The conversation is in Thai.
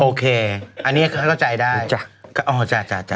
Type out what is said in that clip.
โอเคอันนี้เขาเข้าใจได้จ้ะ